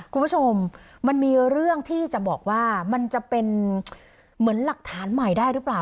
คุณผู้ชมมันมีเรื่องที่จะบอกว่ามันจะเป็นเหมือนหลักฐานใหม่ได้หรือเปล่า